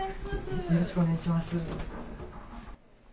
よろしくお願いします。